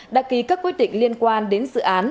đã ký các quyết định liên quan đến dự án